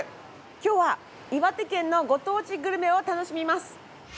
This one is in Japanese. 今日は岩手県のご当地グルメを楽しみます。